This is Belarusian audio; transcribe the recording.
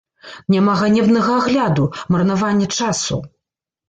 Няма ганебнага агляду, марнавання часу!